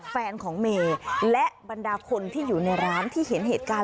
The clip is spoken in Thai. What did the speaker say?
แฟนของเมย์และบรรดาคนที่อยู่ในร้านที่เห็นเหตุการณ์